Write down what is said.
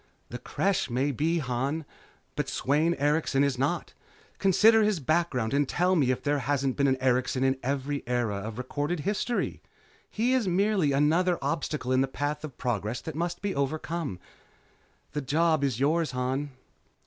"The Creche may be, Han, but Sweyn Erikson is not. Consider his background and tell me if there hasn't been an Erikson in every era of recorded history. He is merely another obstacle in the path of progress that must be overcome. The job is yours, Han."